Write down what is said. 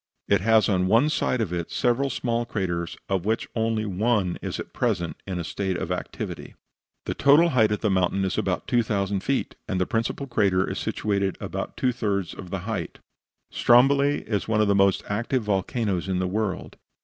It has on one side of it several small craters, of which only one is at present in a state of activity. The total height of the mountain is about 2000 feet, and the principal crater is situated at about two thirds of the height. Stromboli is one of the most active volcanoes in the world.